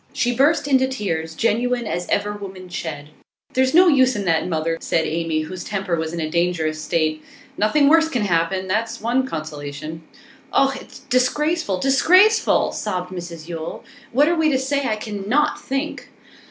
She burst into tears, genuine as ever woman shed. 'There's no use in that, mother,' said Amy, whose temper was in a dangerous state. 'Nothing worse can happen, that's one consolation.' 'Oh, it's disgraceful! disgraceful!' sobbed Mrs Yule. 'What we are to say I can NOT think.